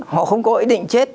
họ không có ý định chết